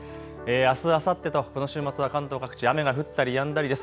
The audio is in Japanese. あすあさってとこの週末は関東各地、雨が降ったりやんだりです。